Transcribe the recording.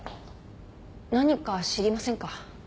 何か知りませんか？